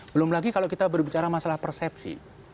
belum lagi kalau kita berbicara masalah persepsi